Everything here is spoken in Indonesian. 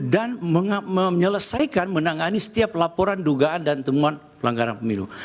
dan menyelesaikan menangani setiap laporan dugaan dan temuan pelanggaran pemilu